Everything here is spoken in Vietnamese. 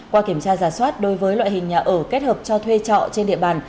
qua kiểm tra giả soát đối với loại hình nhà ở kết hợp cho thuê trọ trên địa bàn